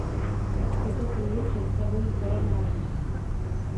Tyto kruhy představují kolo dharmy.